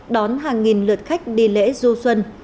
đón hàng nghìn lượt khách đi lễ du xuân